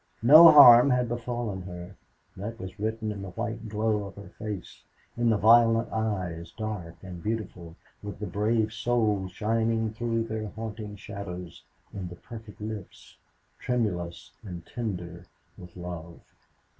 No harm had befallen her that was written in the white glow of her face, in the violet eyes, dark and beautiful, with the brave soul shining through their haunting shadows, in the perfect lips, tremulous and tender with love.